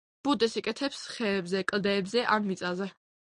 ბუდეს იკეთებს ხეებზე, კლდეებზე ან მიწაზე.